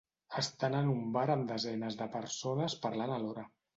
estant en un bar amb desenes de persones parlant a l'hora